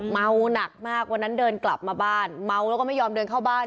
เมาหนักมากวันนั้นเดินกลับมาบ้านเมาแล้วก็ไม่ยอมเดินเข้าบ้าน